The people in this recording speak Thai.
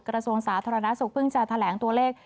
กระทรวงสาธารณสุขเพิ่งจะแถลงตัวเลข